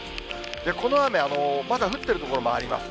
この雨、まだ降ってる所もあります。